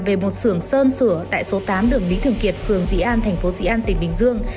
về một xưởng sơn sửa tại số tám đường lý thường kiệt phường dĩ an tp di an tp bình dương